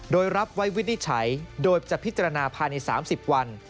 โดยรับไว้วินิจฉัยโดยจะพิจารณาภายใน๓๐วัน